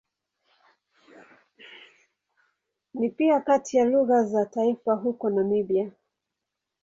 Ni pia kati ya lugha za taifa huko Namibia.